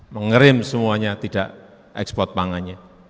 mengerim semuanya tidak ekspor pangannya